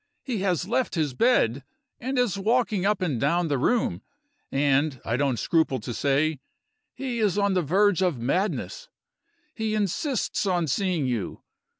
He has left his bed, and is walking up and down the room; and, I don't scruple to say, he is on the verge of madness. He insists on seeing you.